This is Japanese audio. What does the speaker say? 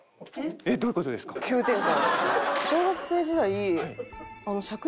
えっどういう事ですか？